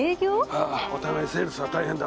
ああお互いセールスは大変だ。